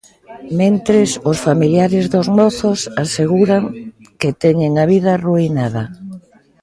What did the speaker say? Mentres, os familiares dos mozos aseguran que teñen a vida arruinada.